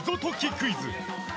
クイズ！